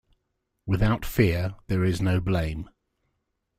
Without Fear there is no blame.